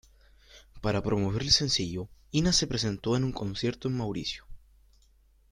Para promover el sencillo, Inna se presentó en un concierto en Mauricio.